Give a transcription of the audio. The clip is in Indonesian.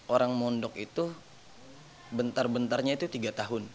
orang mondok itu bentar bentarnya itu tiga tahun